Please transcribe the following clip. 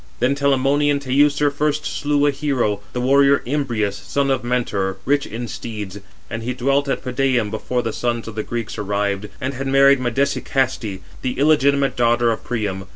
Then Telamonian Teucer first slew a hero, the warrior Imbrius, son of Mentor, rich in steeds; and he dwelt at Pedæum before the sons of the Greeks arrived, and had married Medesicaste, the illegitimate daughter of Priam.